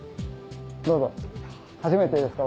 どうぞ初めてですか？